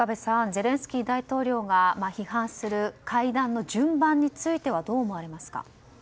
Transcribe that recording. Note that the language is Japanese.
ゼレンスキー大統領が批判する会談の順番についてはどう思われますか。